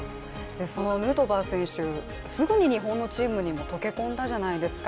そのヌートバー選手、すぐに日本のチームにも溶け込んだじゃないですか。